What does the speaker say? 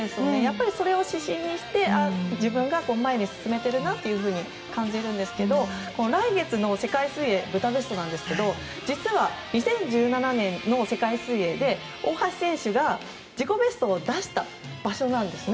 それを指針にして自分が前に進めているなと感じるんですけど来月の世界水泳ブダペストですけど実は２０１７年の世界水泳で大橋選手が自己ベストを出した場所なんです。